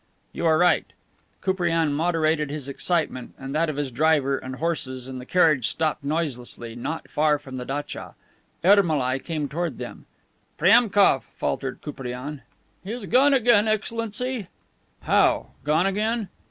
"You are right." Koupriane moderated his excitement and that of his driver and horses, and the carriage stopped noiselessly, not far from the datcha. Ermolai came toward them. "Priemkof?" faltered Koupriane. "He has gone again, Excellency." "How gone again?"